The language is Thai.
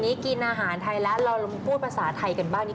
อืมรู้ไหมว่าดังมากเลยตอนนี้